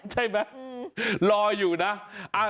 ใช่มั้ยรออยู่นะ